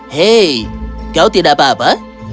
hei kau tidak apa apa